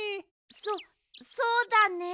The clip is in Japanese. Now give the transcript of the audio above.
そそうだね。